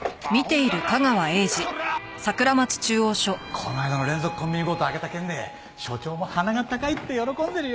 この間の連続コンビニ強盗を挙げた件で署長も鼻が高いって喜んでるよ。